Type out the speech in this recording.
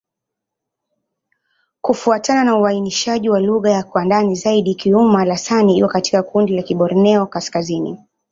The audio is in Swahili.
Kufuatana na uainishaji wa lugha kwa ndani zaidi, Kiuma'-Lasan iko katika kundi la Kiborneo-Kaskazini.